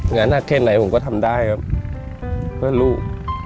งานหนักแค่ไหนผมก็ทำได้ครับเพื่อลูก